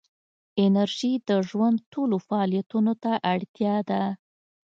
انرژي د ژوند ټولو فعالیتونو ته اړتیا ده.